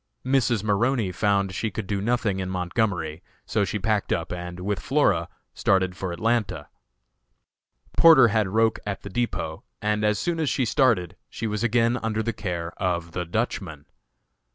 Mrs. Maroney found she could do nothing in Montgomery, so she packed up and, with Flora, started for Atlanta. Porter had Roch at the depot, and as soon as she started, she was again under the care of the Dutchman.